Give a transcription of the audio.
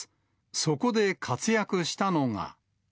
そこで活躍したのが。